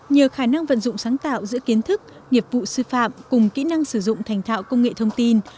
nhờ khả năng vận dụng sáng tạo giữa kiến thức nghiệp vụ sư phạm cùng kỹ năng sử dụng thành thạo công nghệ thông tin